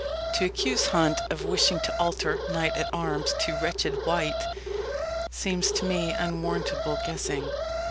To accuse Hunt of wishing to alter "knight at arms" to "wretched wight" seems to me unwarrantable guessing.